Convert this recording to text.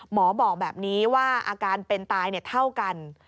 หมอบอกแบบนี้ว่าอาการเป็นตายเท่ากัน